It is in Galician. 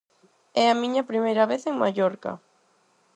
É a miña primeira vez en Mallorca.